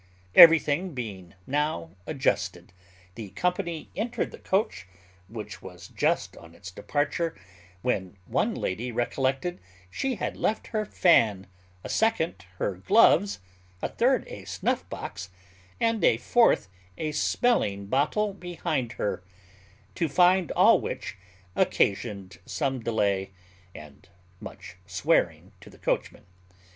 Everything being now adjusted, the company entered the coach, which was just on its departure, when one lady recollected she had left her fan, a second her gloves, a third a snuff box, and a fourth a smelling bottle behind her; to find all which occasioned some delay and much swearing to the coachman.